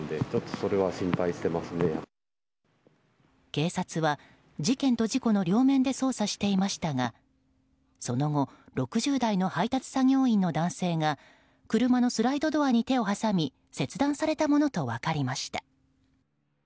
警察は事件と事故の両面で捜査していましたがその後６０代の配達作業員の男性が車のスライドドアに手を挟み切断されたものと分かりました。